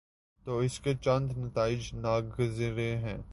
تو اس کے چند نتائج ناگزیر ہیں۔